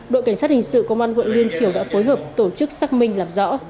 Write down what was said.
đội cảnh sát hình sự công an quận liên triều đã phối hợp tổ chức xác minh làm rõ